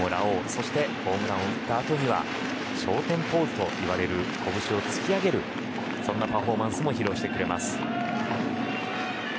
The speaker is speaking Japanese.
そして、ホームランを打ったあとは昇天ポーズといわれるこぶしを突き上げるそんなパフォーマンスも披露してくれます。